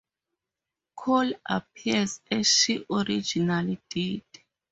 Kole appears as she originally did.